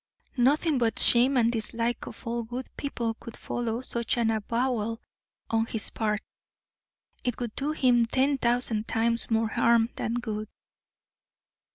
Nothing but shame and dislike of all good people could follow such an avowal on his part. It would do him ten thousand times more harm than good.